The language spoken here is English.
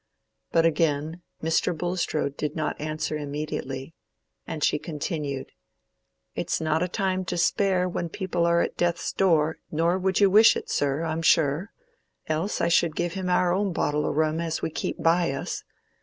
But again Mr. Bulstrode did not answer immediately, and she continued, "It's not a time to spare when people are at death's door, nor would you wish it, sir, I'm sure. Else I should give him our own bottle o' rum as we keep by us.